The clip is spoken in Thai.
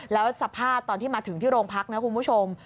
แล้วสภาพตอนที่มาถึงที่โรงพักนะคุณผู้ชม